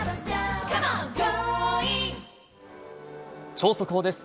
超速報です。